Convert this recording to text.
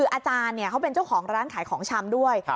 อาจารย์เขาเป็นเจ้าของร้านขายของชำด้วย